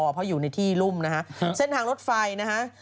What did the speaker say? เพราะอยู่ในที่รุ่มนะฮะเส้นทางรถไฟนะฮะ